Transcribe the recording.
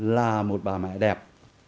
là một bà mẹ đẹp